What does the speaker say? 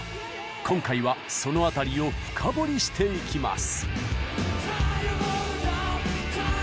今回はその辺りを深掘りしていきます。